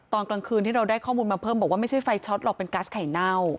ตอนกลางคืนที่เราได้ข้อมูลมาเพิ่มบอกว่าไม่ใช่ไฟช็อตหรอกเป็นก๊าซไข่เน่า